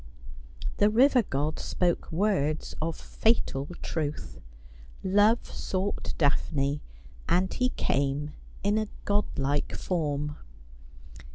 The river god spoke words of fatal truth. Love sought Daphne, and he came 204 Asphodel. in a godlike form.